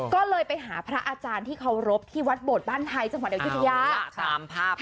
ก็เลยไปหาพระอาจารย์ที่เคารพที่วัดโบดบ้านไทยจังหวัดอายุทยา